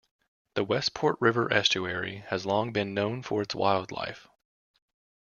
The Westport River estuary has long been known for its wildlife.